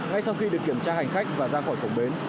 ngay sau khi được kiểm tra hành khách và ra khỏi cổng bến